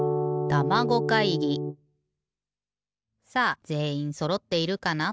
さあぜんいんそろっているかな？